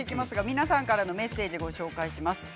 皆さんからのメッセージをご紹介します。